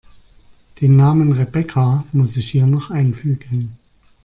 Den Namen Rebecca muss ich hier noch einfügen.